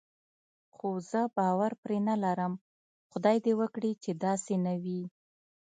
خو زه باور پرې نه لرم، خدای دې وکړي چې داسې نه وي.